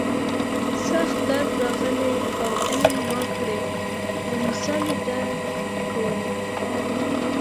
سخت درد راغلى و علم ما کړى او مسالې ده کولې.